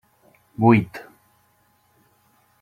Buit.